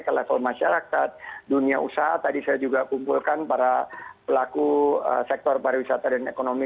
ke level masyarakat dunia usaha tadi saya juga kumpulkan para pelaku sektor pariwisata dan ekonomi